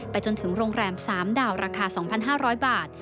จนถึงโรงแรม๓ดาวราคา๒๕๐๐บาท